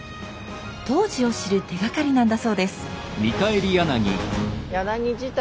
当時を知る手がかりなんだそうです。